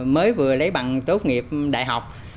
mới vừa lấy bằng tốt nghiệp đại học